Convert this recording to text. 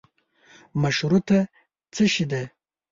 مشروطه څشي ده.